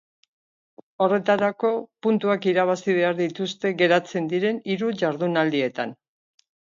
Horretarako, puntuak irabazi behar dituzte geratzen diren hiru jardunaldietan.